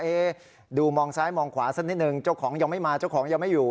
ดูมองซ้ายมองขวาสักนิดนึงเจ้าของยังไม่มาเจ้าของยังไม่อยู่